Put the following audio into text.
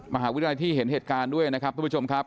มหาวิทยาลัยที่เห็นเหตุการณ์ด้วยนะครับทุกผู้ชมครับ